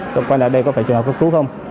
rồi quay lại đây có phải trường hợp cấp cứu không